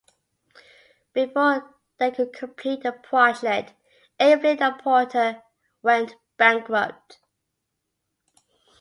Before they could complete the project, Aveling and Porter went bankrupt.